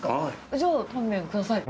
じゃあ、タンメンください。